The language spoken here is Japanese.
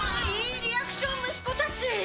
いいリアクション息子たち！